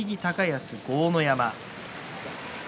錦木、高安、豪ノ山。